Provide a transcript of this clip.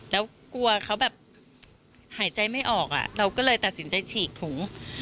แล้วกลัวเขาแบบหายใจไม่ออกเราก็เลยตัดสินใจฉีกถุง